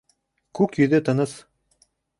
Күк йөҙө тыныс.